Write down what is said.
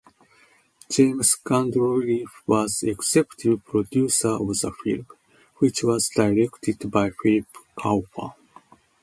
James Gandolfini was executive producer of the film, which was directed by Philip Kaufman.